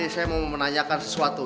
saya mau menanyakan sesuatu